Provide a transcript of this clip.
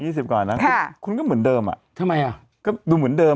ยี่สิบก่อนน่ะค่ะคุณก็เหมือนเดิมอ่ะทำไมอ่ะก็ดูเหมือนเดิม